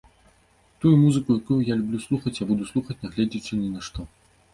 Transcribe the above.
Тую музыку, якую я люблю слухаць, я буду слухаць нягледзячы ні на што.